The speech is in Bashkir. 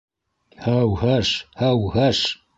- Һәү-һәш, һәү-һәш...